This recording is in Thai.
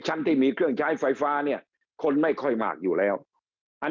ที่มีเครื่องใช้ไฟฟ้าเนี่ยคนไม่ค่อยมากอยู่แล้วอัน